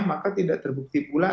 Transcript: maka tidak terbukti pula